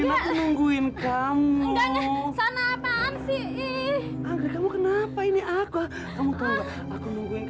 anak saya itu bukan tukang ojek